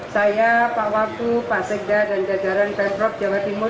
saya pak waku pak sekda dan jajaran pemprov jawa timur